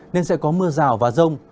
nên sẽ có mưa rào và rông